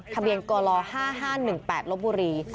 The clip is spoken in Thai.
ทะเบียนกล๕๕๑๘ลบบุรี